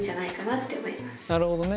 なるほどね。